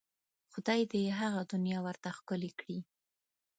خدای دې یې هغه دنیا ورته ښکلې کړي.